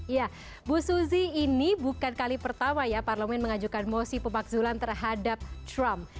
ya bu suzy ini bukan kali pertama ya parlemen mengajukan mosi pemakzulan terhadap trump